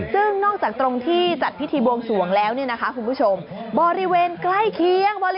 ซึ่งนอกจากตรงที่จัดพิธีบวงสวงแล้วเนี่ยนะคะคุณผู้ชมบริเวณใกล้เคียง